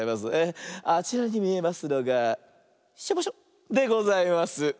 あちらにみえますのが「しょぼしょ」でございます。